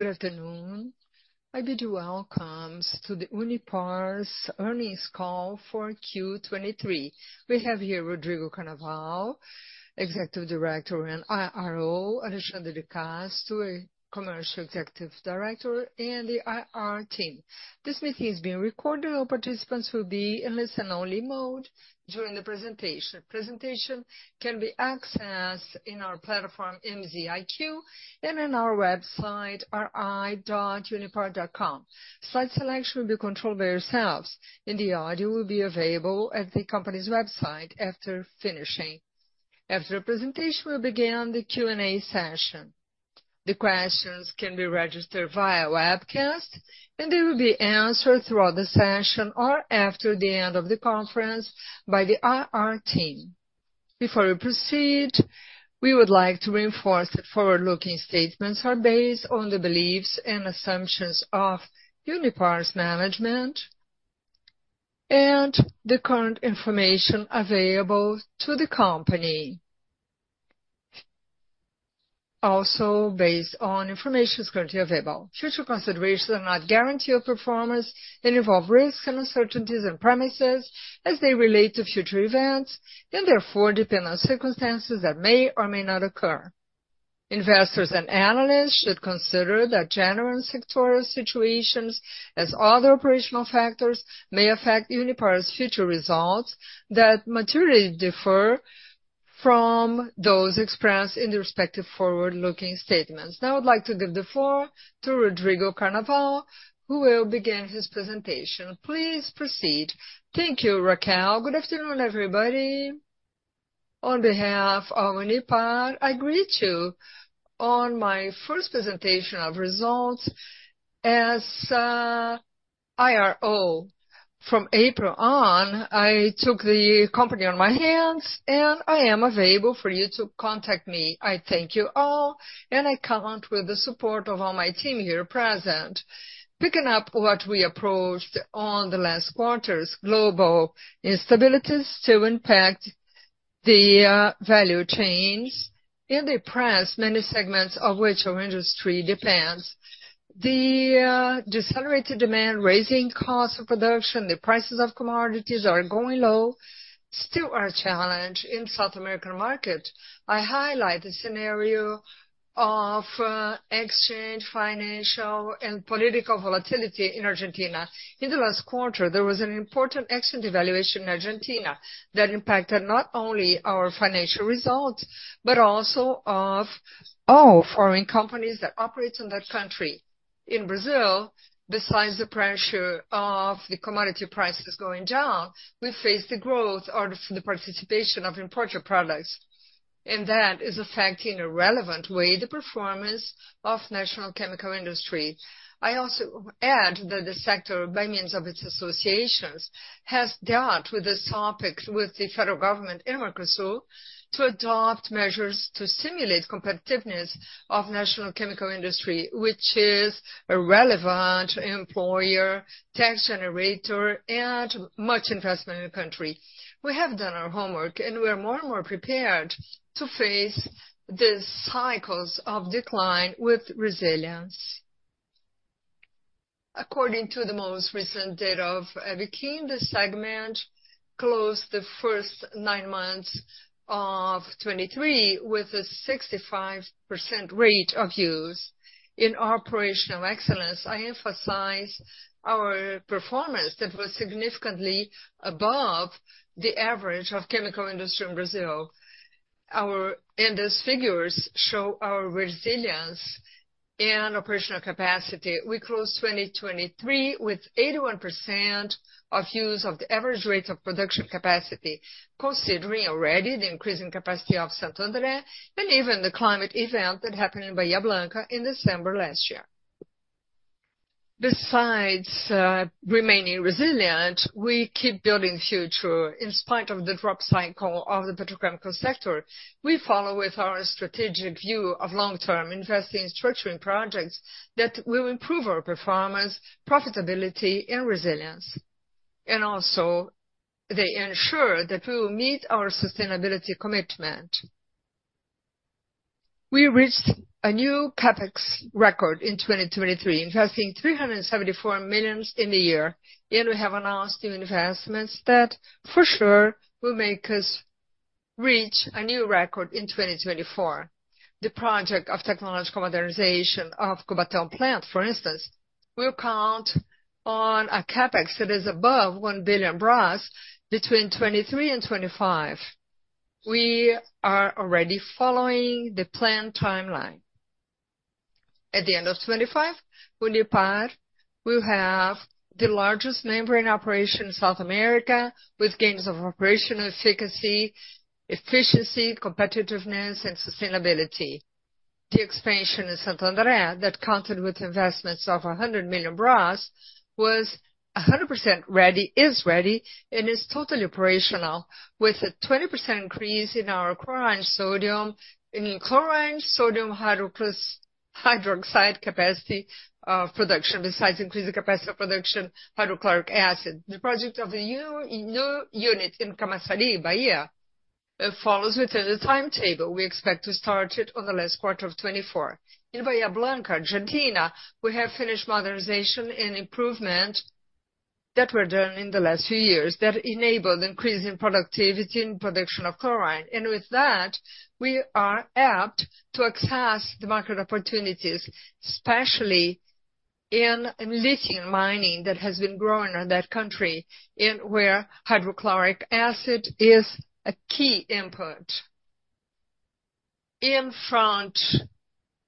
Good afternoon. I bid you welcome to Unipar's earnings call for Q23. We have here Rodrigo Cannaval, Executive Director and IRO, Alexandre de Castro, Commercial Executive Director, and the IR team. This meeting is being recorded. All participants will be in listen-only mode during the presentation. The presentation can be accessed in our platform MZiQ and on our website ri.unipar.com. Slide selection will be controlled by yourselves, and the audio will be available at the company's website after finishing. After the presentation, we'll begin the Q&A session. The questions can be registered via webcast, and they will be answered throughout the session or after the end of the conference by the IR team. Before we proceed, we would like to reinforce that forward-looking statements are based on the beliefs and assumptions of Unipar's management and the current information available to the company, also based on information that's currently available. Future considerations are not a guarantee of performance and involve risks and uncertainties in premises as they relate to future events and therefore depend on circumstances that may or may not occur. Investors and analysts should consider that genuine sectorial situations, as other operational factors, may affect Unipar's future results that materially differ from those expressed in the respective forward-looking statements. Now I'd like to give the floor to Rodrigo Cannaval, who will begin his presentation. Please proceed. Thank you, Raquel. Good afternoon, everybody. On behalf of Unipar, I greet you on my first presentation of results. As IRO, from April on, I took the company in my hands, and I am available for you to contact me. I thank you all, and I count on the support of all my team here present. Picking up what we approached on the last quarter's global instabilities to impact the value chains in the press, many segments of which our industry depends. The decelerated demand, raising costs of production, the prices of commodities are going low, still our challenge in the South American market. I highlight the scenario of exchange financial and political volatility in Argentina. In the last quarter, there was an important exchange devaluation in Argentina that impacted not only our financial results but also of foreign companies that operate in that country. In Brazil, besides the pressure of the commodity prices going down, we face the growth or the participation of imported products, and that is affecting irrelevantly the performance of the national chemical industry. I also add that the sector, by means of its associations, has dealt with this topic with the federal government in Mercosur to adopt measures to stimulate competitiveness of the national chemical industry, which is a relevant employer, tax generator, and much investment in the country. We have done our homework, and we are more and more prepared to face these cycles of decline with resilience. According to the most recent data of EBITDA, the segment closed the first nine months of 2023 with a 65% rate of use. In operational excellence, I emphasize our performance that was significantly above the average of the chemical industry in Brazil. Our index figures show our resilience and operational capacity. We closed 2023 with 81% of use of the average rate of production capacity, considering already the increasing capacity of Santo André and even the climate event that happened in Bahia Blanca in December last year. Besides, remaining resilient, we keep building the future. In spite of the drop cycle of the petrochemical sector, we follow with our strategic view of long-term investing in structuring projects that will improve our performance, profitability, and resilience, and also ensure that we will meet our sustainability commitment. We reached a new CAPEX record in 2023, investing 374 million in the year, and we have announced new investments that, for sure, will make us reach a new record in 2024. The project of technological modernization of Cubatão Plant, for instance, will count on a CAPEX that is above 1 billion between 2023 and 2025. We are already following the planned timeline. At the end of 2025, Unipar will have the largest membrane operation in South America, with gains of operational efficiency, competitiveness, and sustainability. The expansion in Santo André that counted with investments of 100 million was 100% ready, is ready, and is totally operational, with a 20% increase in our chlorine sodium in chlorine sodium hydroxide capacity, production, besides increasing capacity of production hydrochloric acid. The project of a new unit in Camaçari, Bahia, follows within the timetable. We expect to start it on the last quarter of 2024. In Bahia Blanca, Argentina, we have finished modernization and improvements that were done in the last few years that enabled increasing productivity in production of chlorine, and with that, we are apt to access the market opportunities, especially in lithium mining that has been growing in that country and where hydrochloric acid is a key input. In front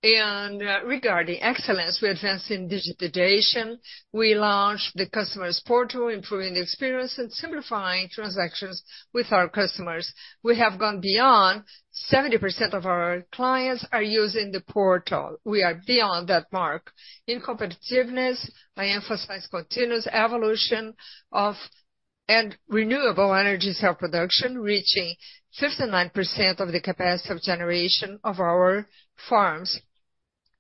and, regarding excellence, we're advancing digitization. We launched the customer's portal, improving the experience and simplifying transactions with our customers. We have gone beyond 70% of our clients are using the portal. We are beyond that mark. In competitiveness, I emphasize continuous evolution of renewable energy self-production, reaching 59% of the capacity of generation of our farms.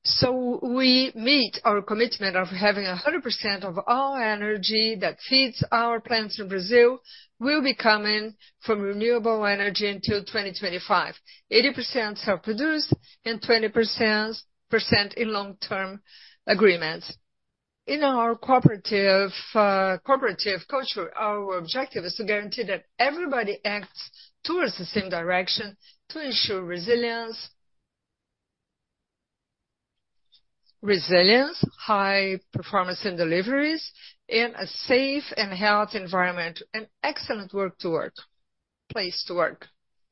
So we meet our commitment of having 100% of all energy that feeds our plants in Brazil will be coming from renewable energy until 2025, 80% self-produced and 20% in long-term agreements. In our cooperative, cooperative culture, our objective is to guarantee that everybody acts towards the same direction to ensure resilience, resilience, high performance in deliveries, and a safe and healthy environment, an excellent work to work, place to work.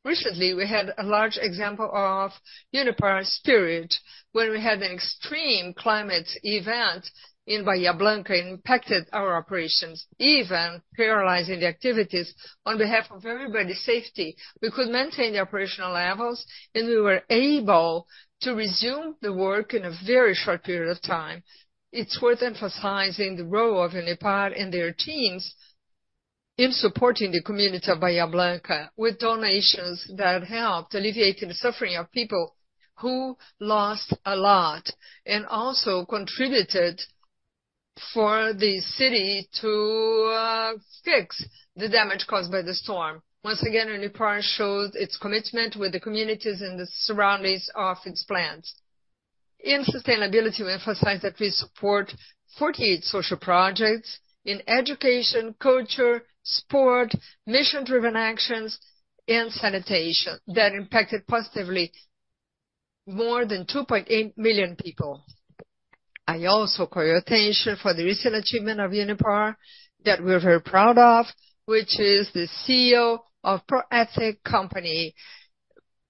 Recently, we had a large example of Unipar's spirit when we had an extreme climate event in Bahia Blanca that impacted our operations, even paralyzing the activities. On behalf of everybody's safety, we could maintain the operational levels, and we were able to resume the work in a very short period of time. It's worth emphasizing the role of Unipar and their teams in supporting the community of Bahia Blanca with donations that helped alleviate the suffering of people who lost a lot and also contributed for the city to fix the damage caused by the storm. Once again, Unipar showed its commitment with the communities in the surroundings of its plants. In sustainability, we emphasize that we support 48 social projects in education, culture, sport, mission-driven actions, and sanitation that impacted positively more than 2.8 million people. I also call your attention to the recent achievement of Unipar that we're very proud of, which is the Pro-Ética seal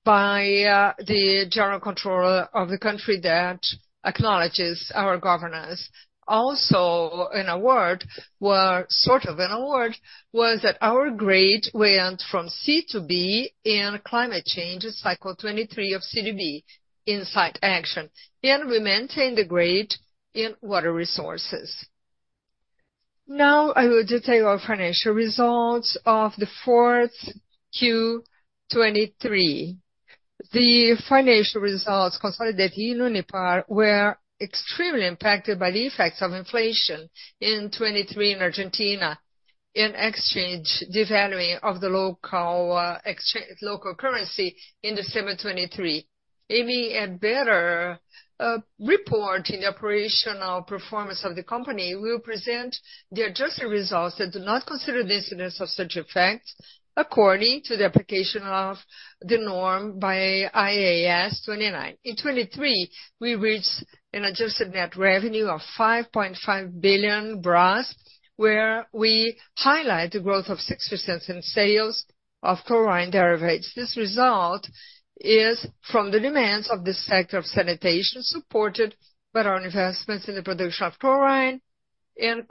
by the Controladoria-Geral da União that acknowledges our governance. Also, an award, well, sort of an award, was that our grade went from C to B in climate change Cycle 2023 of the CDP A List, and we maintained the grade in water resources. Now I will detail our financial results of the fourth Q23. The financial results consolidated in Unipar were extremely impacted by the effects of inflation in 2023 in Argentina and devaluation of the local currency in December 2023. Aiming at better reporting the operational performance of the company, we will present the adjusted results that do not consider the incidence of such effects according to the application of the norm by IAS 29. In 2023, we reached an adjusted net revenue of 5.5 billion, where we highlight the growth of 6% in sales of chlorine derivatives. This result is from the demands of the sector of sanitation supported by our investments in the production of chlorine and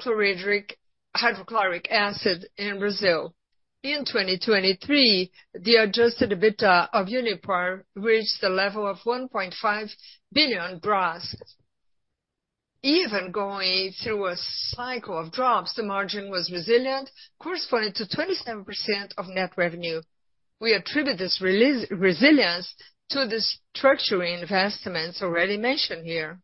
hydrochloric acid in Brazil. In 2023, the adjusted EBITDA of Unipar reached the level of 1.5 billion. Even going through a cycle of drops, the margin was resilient, corresponding to 27% of net revenue. We attribute this resilience to the structuring investments already mentioned here.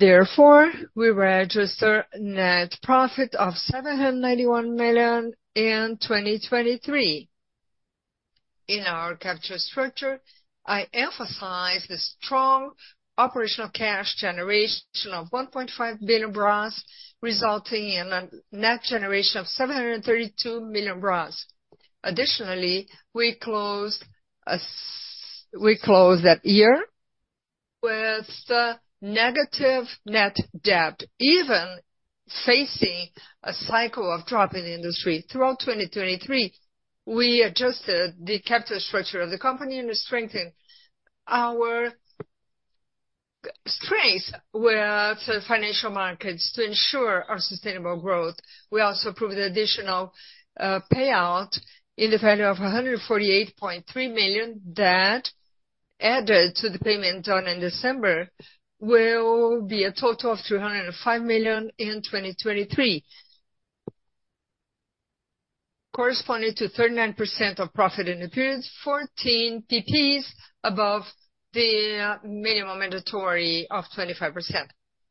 Therefore, we had an adjusted net profit of 791 million in 2023. In our capital structure, I emphasize the strong operational cash generation of 1.5 billion, resulting in a net generation of 732 million. Additionally, we closed that year with negative net debt, even facing a cycle of drop in the industry. Throughout 2023, we adjusted the capture structure of the company and strengthened our strengths with financial markets to ensure our sustainable growth. We also approved an additional payout in the value of 148.3 million that added to the payment done in December will be a total of 305 million in 2023, corresponding to 39% of profit in the period, 14 percentage points above the minimum mandatory of 25%.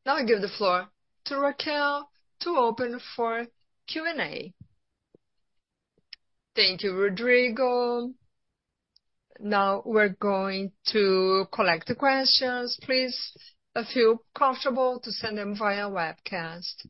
Now I give the floor to Raquel to open for Q&A. Thank you, Rodrigo. Now we're going to collect the questions. Please, if you're comfortable to send them via webcast.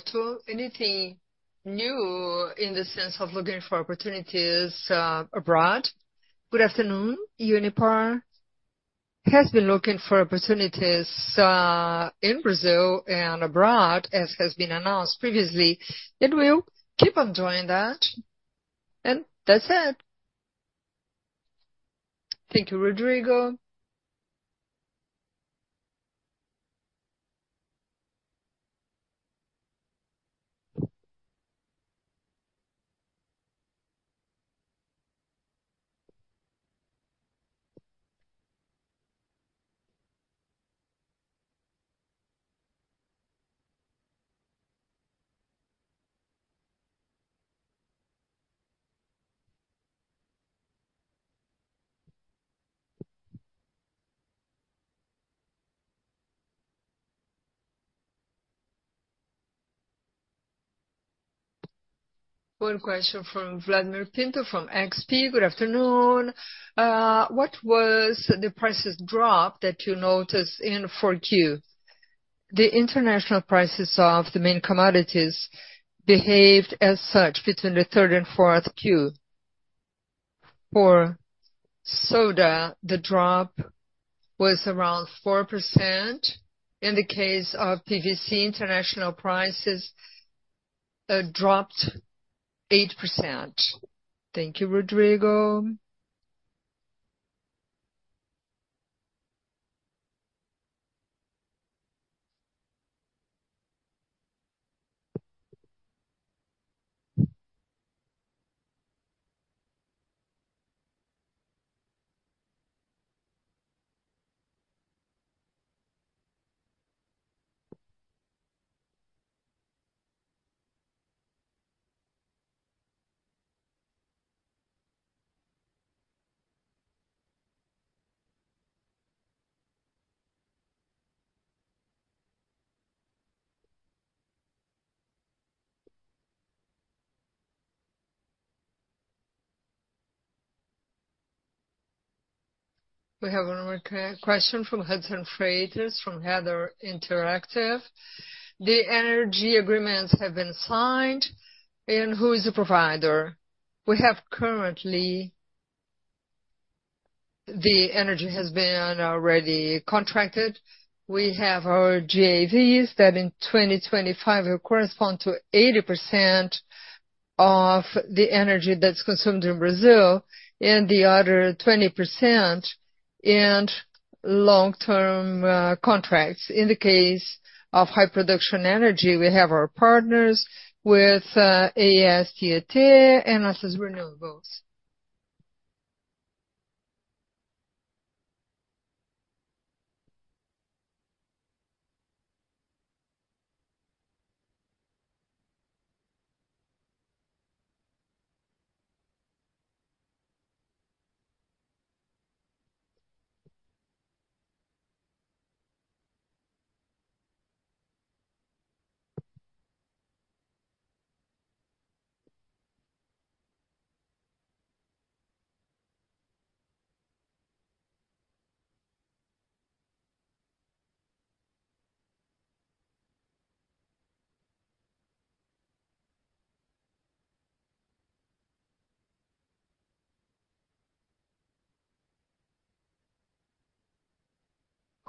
Virtual, anything new in the sense of looking for opportunities, abroad? Good afternoon, Unipar. Has been looking for opportunities, in Brazil and abroad, as has been announced previously, and we'll keep on doing that. And that's it. Thank you, Rodrigo. One question from Vladimir Pinto from XP. Good afternoon. What was the price drop that you noticed in 4Q? The international prices of the main commodities behaved as such between 3Q and 4Q. For soda, the drop was around 4%. In the case of PVC, international prices dropped 8%. Thank you, Rodrigo. We have one more question from Hudson Freitas from Hedge Investments. The energy agreements have been signed, and who is the provider? We have currently the energy has been already contracted. We have our JVs that in 2025 will correspond to 80% of the energy that's consumed in Brazil and the other 20% in long-term contracts. In the case of high-production energy, we have our partners with AES Tietê and Atlas Renewables.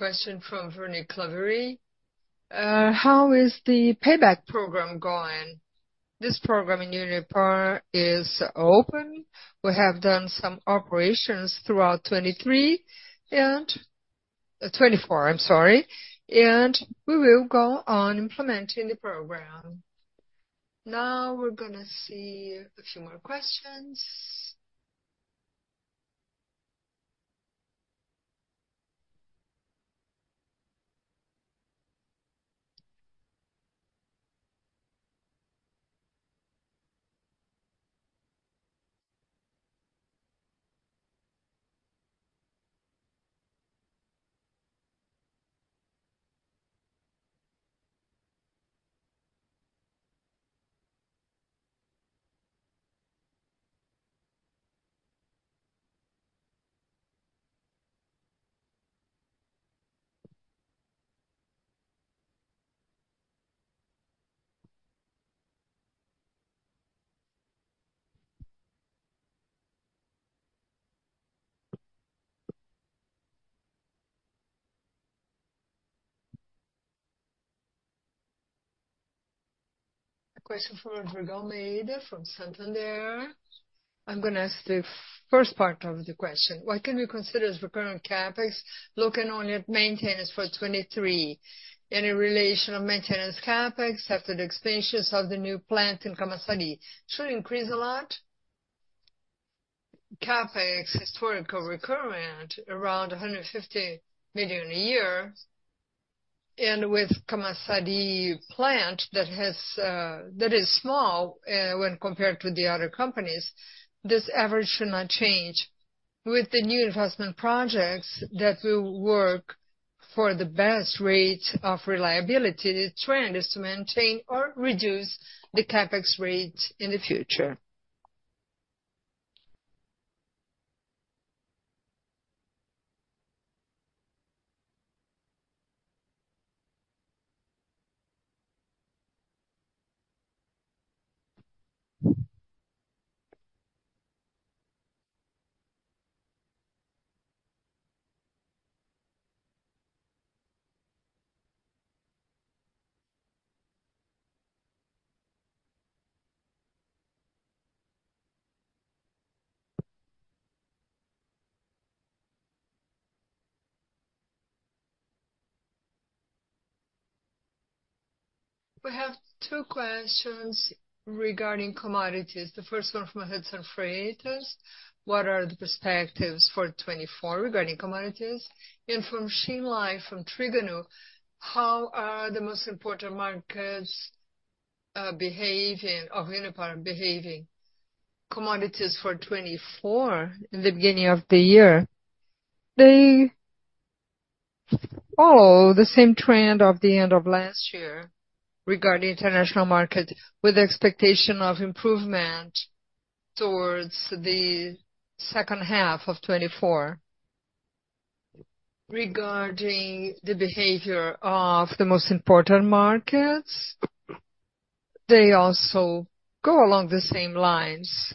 Question from Vernie Clevery. How is the buyback program going? This program in Unipar is open. We have done some operations throughout 2023 and 2024, I'm sorry, and we will go on implementing the program. Now we're gonna see a few more questions. A question from Rodrigo Almeida from Santander. I'm gonna ask the first part of the question. What can we consider as recurrent CapEx looking only at maintenance for 2023 in relation to maintenance CapEx after the expansions of the new plant in Camaçari? Should it increase a lot? CapEx, historically recurrent, around 150 million a year, and with Camaçari plant that has, that is small, when compared to the other companies, this average should not change. With the new investment projects that will work for the best rate of reliability, the trend is to maintain or reduce the CapEx rate in the future. We have two questions regarding commodities. The first one from Hudson Freitas. What are the perspectives for 2024 regarding commodities? From Shin Lai from Trígono, how are the most important markets behaving of Unipar behaving? Commodities for 2024 in the beginning of the year, they follow the same trend of the end of last year regarding international markets with the expectation of improvement towards the second half of 2024. Regarding the behavior of the most important markets, they also go along the same lines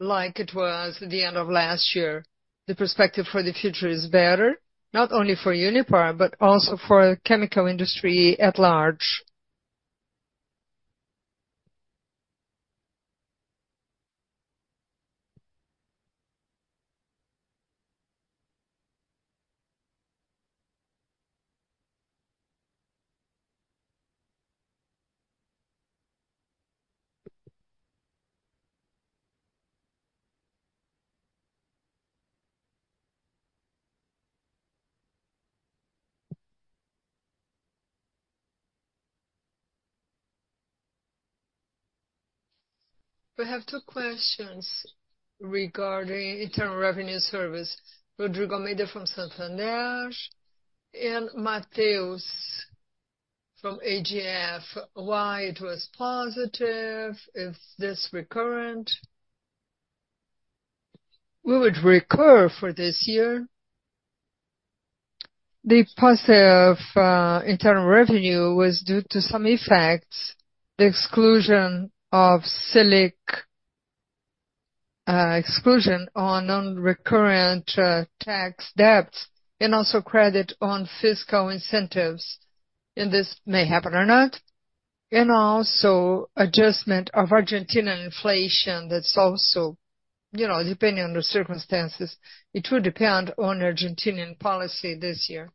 like it was the end of last year. The perspective for the future is better, not only for Unipar but also for the chemical industry at large. We have two questions regarding internal revenue service. Rodrigo Almeida from Santander and Matheus from AGF. Why it was positive, if this recurrent? We would recur for this year. The positive internal revenue was due to some effects, the exclusion of Selic, exclusion on non-recurrent tax debts and also credit on fiscal incentives. And this may happen or not. And also adjustment of Argentinian inflation that's also, you know, depending on the circumstances, it will depend on Argentinian policy this year,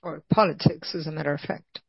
or politics, as a matter of fact.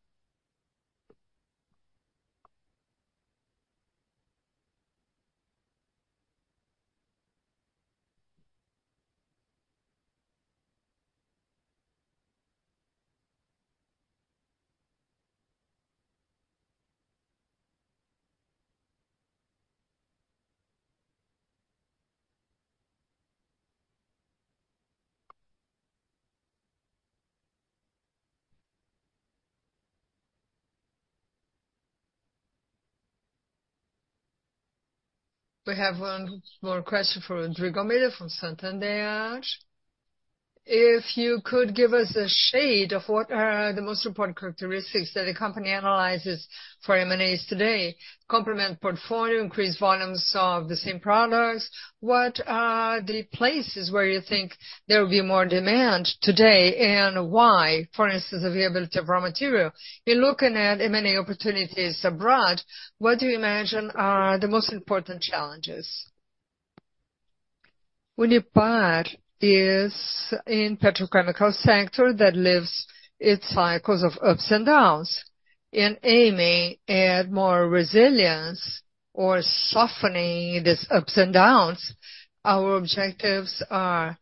We have one more question from Rodrigo Almeida from Santander. If you could give us a shade of what are the most important characteristics that the company analyzes for M&As today: complement portfolio, increase volumes of the same products. What are the places where you think there will be more demand today and why? For instance, availability of raw material. In looking at M&A opportunities abroad, what do you imagine are the most important challenges? Unipar is in the petrochemical sector that lives its cycles of ups and downs. In aiming at more resilience or softening these ups and downs, our objectives are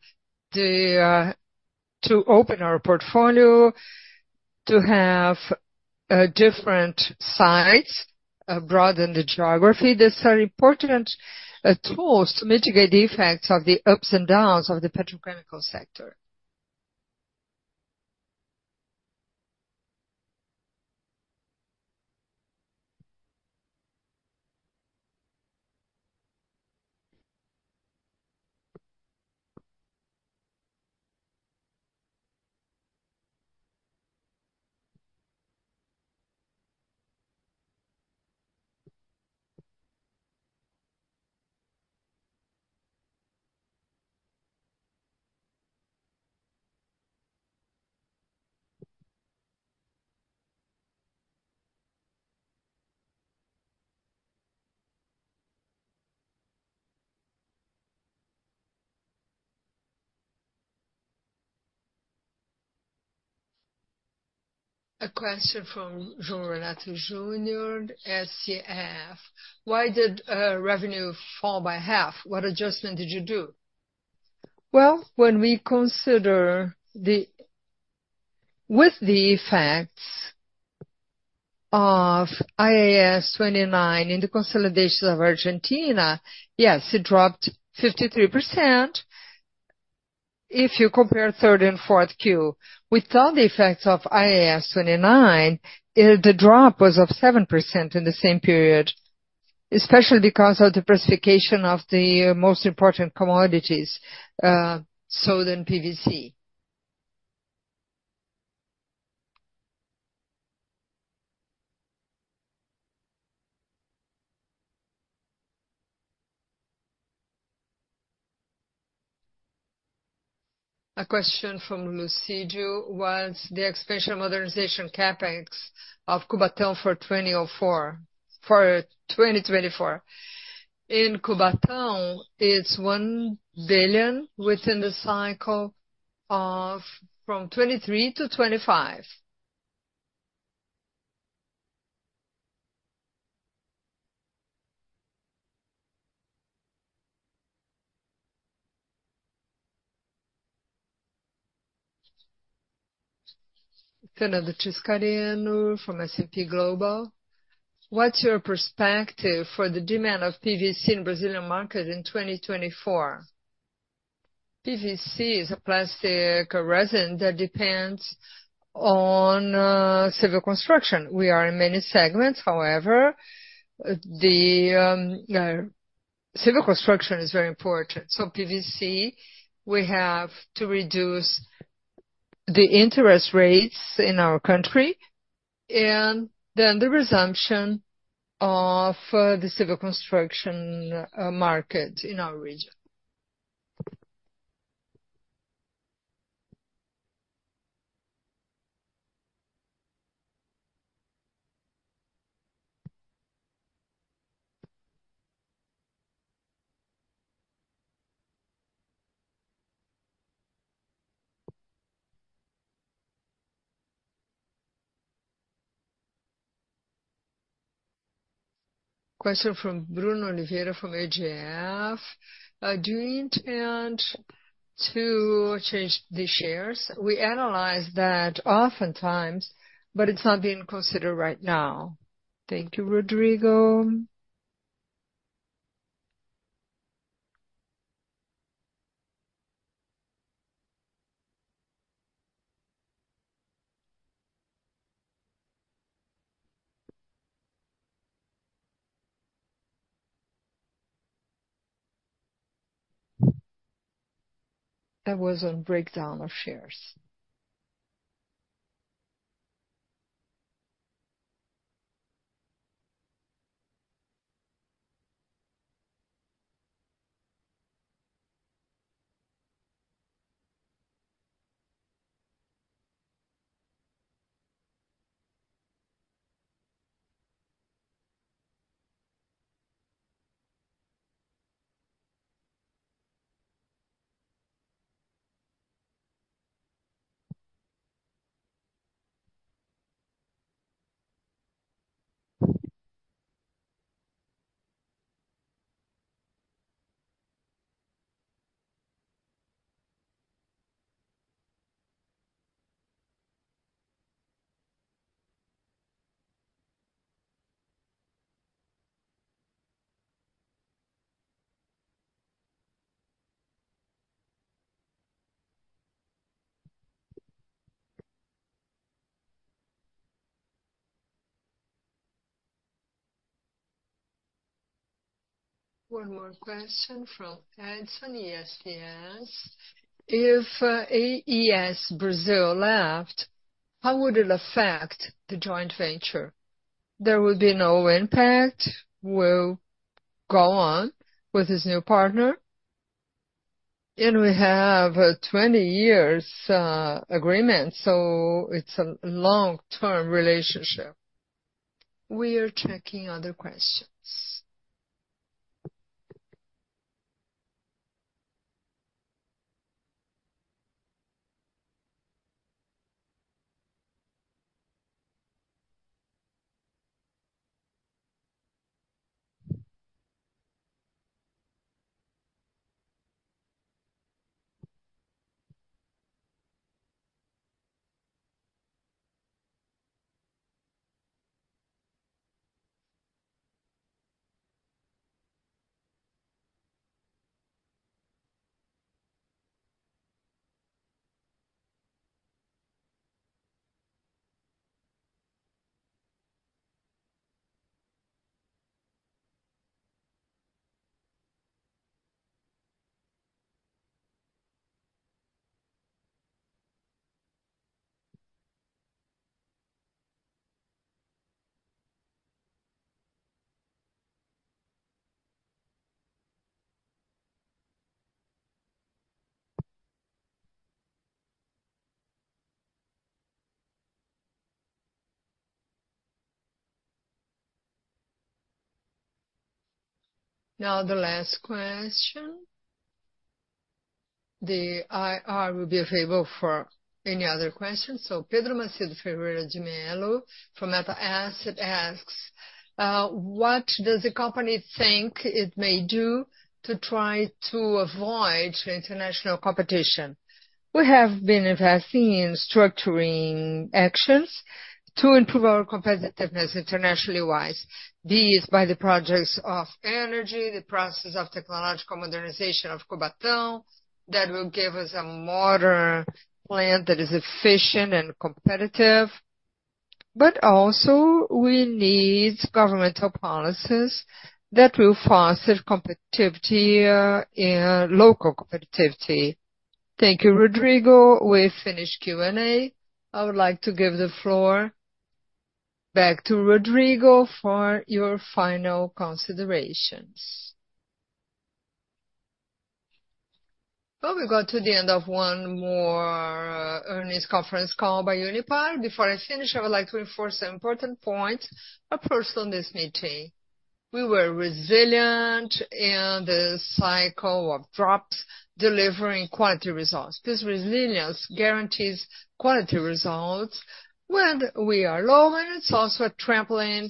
to, to open our portfolio, to have, different sites, broaden the geography that are important, tools to mitigate the effects of the ups and downs of the petrochemical sector. A question from Jean Renato, SCF. Why did revenue fall by half? What adjustment did you do? Well, when we consider the effects of IAS 29 in the consolidations of Argentina, yes, it dropped 53% if you compare third and fourth Q. Without the effects of IAS 29, the drop was of 7% in the same period, especially because of the depreciation of the most important commodities, soda and PVC. A question from Lucidu. What's the expansion modernization CapEx of Cubatão for 2024? In Cubatão, it's 1 billion within the cycle of from 2023 to 2025. It's another Christian Burns from S&P Global. What's your perspective for the demand of PVC in the Brazilian market in 2024? PVC is a plastic resin that depends on civil construction. We are in many segments. However, the civil construction is very important. So PVC, we have to reduce the interest rates in our country and then the resumption of the civil construction market in our region. Question from Bruno Oliveira from AGF. Do you intend to change the shares? We analyze that oftentimes, but it's not being considered right now. Thank you, Rodrigo. That was on breakdown of shares. One more question from Edson ESDS. If AES Brasil left, how would it affect the joint venture? There would be no impact. Will go on with his new partner. And we have a 20-year agreement, so it's a long-term relationship. We are checking other questions. Now the last question. The IR will be available for any other questions. So Pedro Macedo Ferreira de Melo from Meta Asset asks, what does the company think it may do to try to avoid international competition? We have been investing in structuring actions to improve our competitiveness internationally-wise. These by the projects of energy, the process of technological modernization of Cubatão that will give us a modern plant that is efficient and competitive. But also, we need governmental policies that will foster competitiveness, and local competitiveness. Thank you, Rodrigo. We finished Q&A. I would like to give the floor back to Rodrigo for your final considerations. Well, we got to the end of one more earnings conference call by Unipar. Before I finish, I would like to reinforce some important points approached on this meeting. We were resilient in the cycle of drops, delivering quality results. This resilience guarantees quality results when we are low, and it's also a trampoline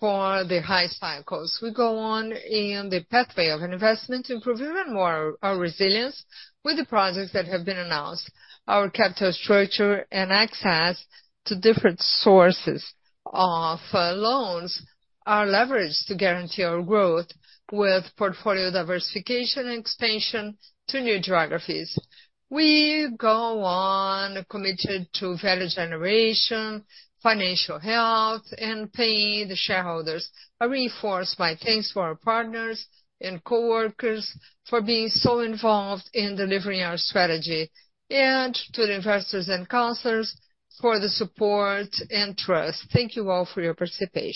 for the high cycles. We go on in the pathway of investment to improve even more our resilience with the projects that have been announced. Our capital structure and access to different sources of loans are leveraged to guarantee our growth with portfolio diversification and expansion to new geographies. We go on committed to value generation, financial health, and paying the shareholders. I reinforce my thanks for our partners and coworkers for being so involved in delivering our strategy, and to the investors and counselors for the support and trust. Thank you all for your participation.